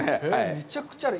めちゃくちゃある。